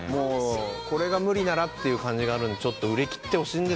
これが無理ならって感じがあるんでちょっと売れきってほしい。